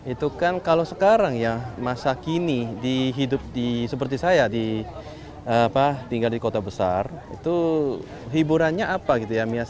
itu kan kalau sekarang ya masa kini di hidup seperti saya tinggal di kota besar itu hiburannya apa gitu ya